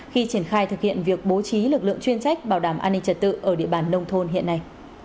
khi triển khai thực hiện việc bố trí lực lượng chuyên trách bảo đảm an ninh trật tự ở địa bàn nông thôn hiện nay